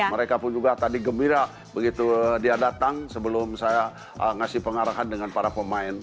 mereka pun juga tadi gembira begitu dia datang sebelum saya ngasih pengarahan dengan para pemain